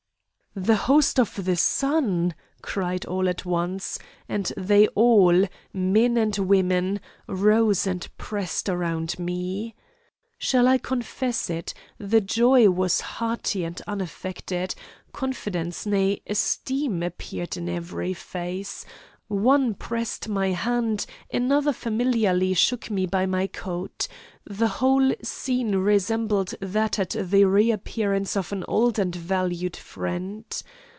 "'The host of the Sun!' cried all at once, and they all men and women rose and pressed round me. Shall I confess it. The joy was hearty and unaffected, confidence, nay, esteem appeared in every face; one pressed my hand, another familiarly shook me by my coat the whole scene resembled that at the re appearance of an old and valued friend.